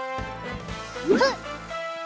ふっ！